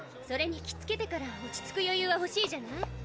それに着付けてから落ち着く余ゆうはほしいじゃない。